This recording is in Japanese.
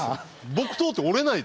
木刀って折れない。